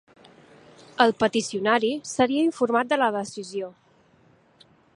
El peticionari seria informat de la decisió.